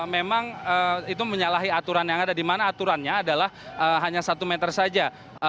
memang itu menyalahi aturan yang ada di mana aturannya adalah hanya satu meter saja